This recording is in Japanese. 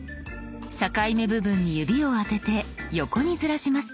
境目部分に指を当てて横にずらします。